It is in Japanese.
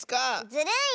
ずるい！